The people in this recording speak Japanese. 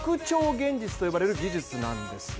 現実と呼ばれる技術なんですね。